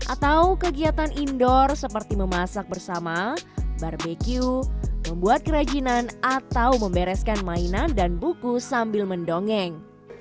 atau kegiatan indoor seperti memasak bersama barbecue membuat kerajinan atau membereskan mainan dan buku sambil mendongeng